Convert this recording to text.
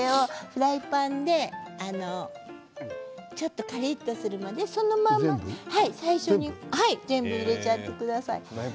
フライパンでちょっとカリっとするまで全部、入れちゃってください。